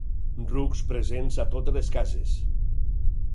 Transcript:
Rucs presents a totes les cases.